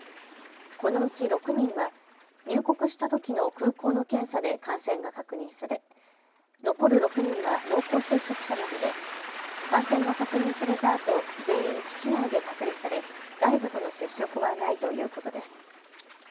このうち６人は入国したときの空港の検査で感染が確認され、残る６人は濃厚接触者などで感染が確認されたあと全員基地内で隔離され外部との接触はないということです。